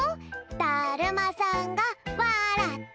だるまさんがわらった！